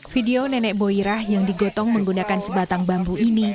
video nenek boyrah yang digotong menggunakan sebatang bambu ini